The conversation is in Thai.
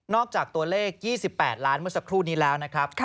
จากตัวเลข๒๘ล้านเมื่อสักครู่นี้แล้วนะครับ